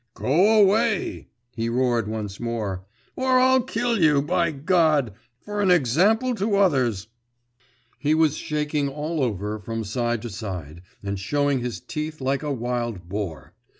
… 'Go away!' he roared once more, 'or I'll kill you, by God! for an example to others!' He was shaking all over from side to side, and showing his teeth like a wild boar.